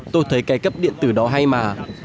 tôi thấy cái cấp điện thử đó hay mà